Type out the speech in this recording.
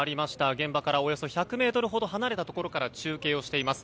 現場からおよそ１００ｍほど離れたところから中継をしています。